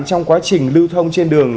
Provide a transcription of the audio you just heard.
trong quá trình lưu thông trên đường